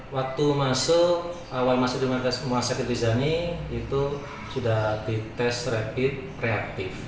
waktu awal masuk rumah sakit rizani itu sudah di tes rapid reaktif